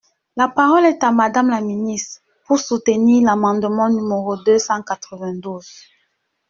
La parole est à Madame la ministre, pour soutenir l’amendement numéro deux cent quatre-vingt-douze.